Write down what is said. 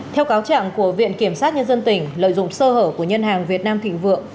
theo cáo trạng của viện kiểm sát nhân dân tỉnh lợi dụng sơ hở của ngân hàng việt nam thịnh vượng